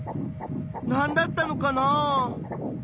何だったのかなあ？